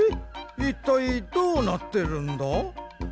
いったいどうなってるんだ？